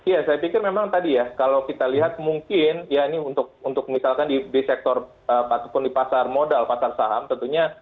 ya saya pikir memang tadi ya kalau kita lihat mungkin ya ini untuk misalkan di sektor apapun di pasar modal pasar saham tentunya